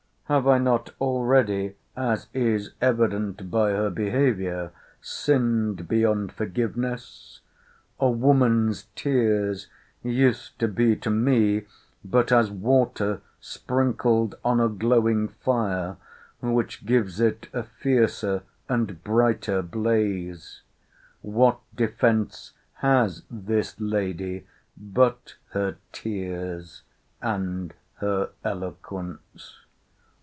—Have I not already, as it is evident by her behaviour, sinned beyond forgiveness?—A woman's tears used to be to me but as water sprinkled on a glowing fire, which gives it a fiercer and brighter blaze: What defence has this lady but her tears and her eloquence?